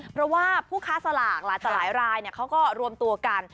เพราะว่าผู้ค้าสลากหลายต่อหลายรายเขาก็รวมตัวกัน